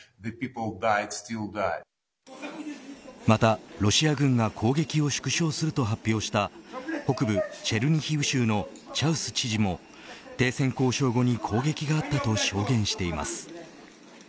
またロシア軍が攻撃を縮小すると発表した北部チェルニヒウ州のチャウス知事も停戦交渉後に攻撃があったと証言しています。